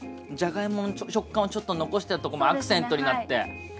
じゃがいもの食感をちょっと残してるとこもアクセントになって。